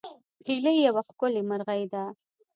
هیلۍ یوه ښکلې مرغۍ ده